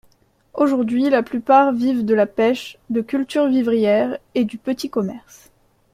Aujourd'hui la plupart vivent de la pêche, de cultures vivrières et du petit commerce.